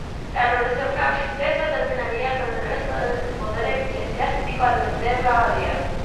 La Revolución francesa terminaría con el resto del poder eclesiástico al vender la abadía.